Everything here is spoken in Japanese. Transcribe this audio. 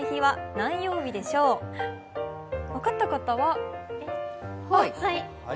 分かった方は？